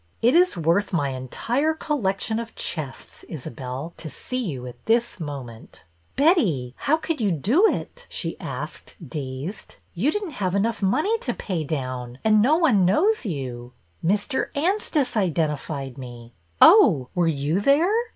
THE UNKNOWN BIDDER 297 It is worth my entire Collection of chests, Isabelle, to see you at this moment/^ "'Betty, how could you do it?'' she asked, dazed. " You did n't have enough money to pay down, and no one knows you —"" Mr. Anstice identified me." " Oh, were you there